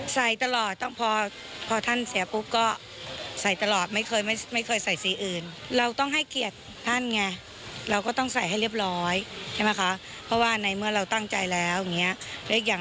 ใส่ตลอดต้องพอท่านเสียปุ๊บก็ใส่ตลอดไม่เคยใส่สีอื่น